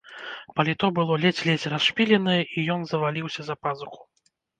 Паліто было ледзь-ледзь расшпіленае, і ён заваліўся за пазуху.